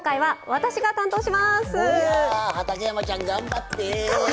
わあ畠山ちゃん頑張って！